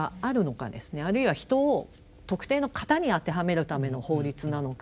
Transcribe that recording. あるいは人を特定の型に当てはめるための法律なのかと。